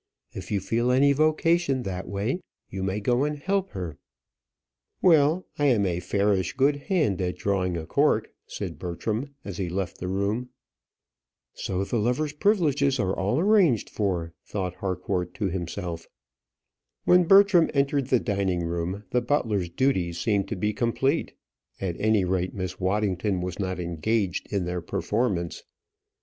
If you feel any vocation that way, you may go and help her." "Well, I am a fairish good hand at drawing a cork," said Bertram, as he left the room. "So the lovers' privileges are all arranged for," thought Harcourt to himself. When Bertram entered the dining room, the butler's duties seemed to be complete; at any rate, Miss Waddington was not engaged in their performance.